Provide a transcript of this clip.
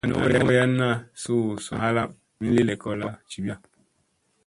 An u wayan suu sunna halaŋ min li lekolla jiviya.